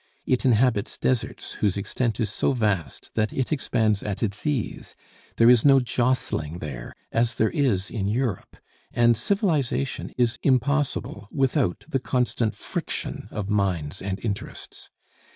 It inhabits deserts whose extent is so vast that it expands at its ease; there is no jostling there, as there is in Europe, and civilization is impossible without the constant friction of minds and interests.